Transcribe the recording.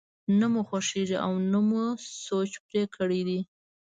نه مو خوښېږي او نه مو سوچ پرې کړی دی.